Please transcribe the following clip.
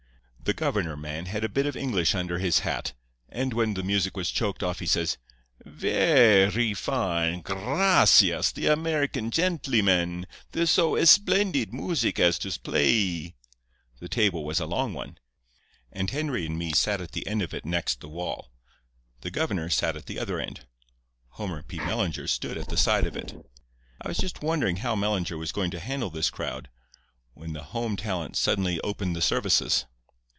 The governor man had a bit of English under his hat, and when the music was choked off he says: "'Ver r ree fine. Gr r r r racias, the American gentleemen, the so esplendeed moosic as to playee.' "The table was a long one, and Henry and me sat at the end of it next the wall. The governor sat at the other end. Homer P. Mellinger stood at the side of it. I was just wondering how Mellinger was going to handle his crowd, when the home talent suddenly opened the services.